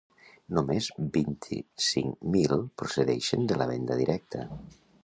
Només vint-i-cinc mil procedeixen de la venda directa.